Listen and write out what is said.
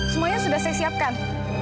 semuanya sudah saya siapkan